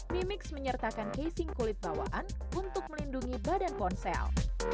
mimix menyertakan casing kulit bawaan untuk melindungi badan ponsel